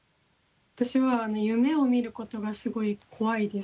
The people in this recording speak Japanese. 私は夢を見ることがすごい怖いです。